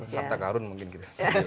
betul harta karun mungkin gitu